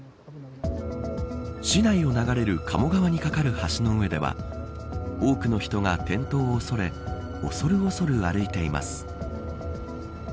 市内を流れる鴨川に架かる橋の上では多くの人が転倒を恐れ恐る恐る歩いています。